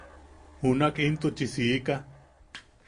Junak intuchi siika.